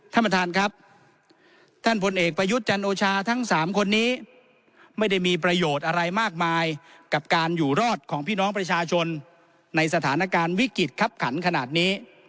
ท่านประธานครับท่านพลเอกประยุทธ์จันโอชาทั้งสามคนนี้ไม่ได้มีประโยชน์อะไรมากมายกับการอยู่รอดของพี่น้องประชาชนในสถานการณ์วิกฤตคับขันขนาดนี้